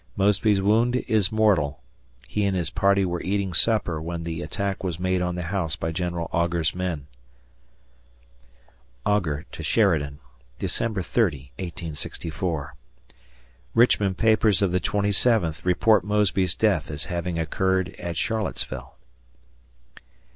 Mosby's wound is mortal. He and his party were eating supper when the attack was made on the house by General Augur's men. [Augur to Sheridan] December 30, 1864. Richmond papers of the 27th report Mosby's death as having occurred at Charlottesville.